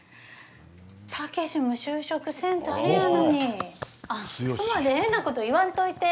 武志も就職せんとあれやのにあんたまで変なこと言わんといて。